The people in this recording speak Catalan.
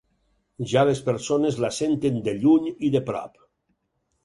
Ja les persones la senten de lluny i de prop.